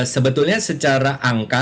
sebetulnya secara angka